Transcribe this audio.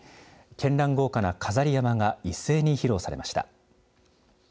けんらん豪華な飾り山が一斉に披露されました。